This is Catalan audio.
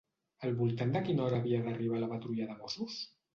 Al voltant de quina hora havia d'arribar la patrulla de mossos?